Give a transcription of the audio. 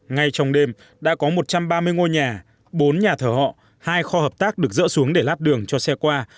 ngay trong đêm đã có một trăm ba mươi ngôi nhà bốn nhà thờ họ hai kho hợp tác được dỡ xuống để lát đường cho xe qua